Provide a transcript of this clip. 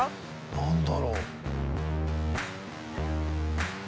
何だろう？